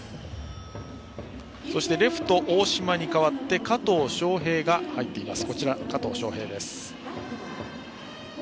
レフトは大島に代わって加藤翔平が入っています。